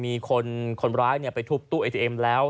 มีคนร้ายสินทรงนี้ไปทุบตู้เหตุไอทีเอมส์แล้ว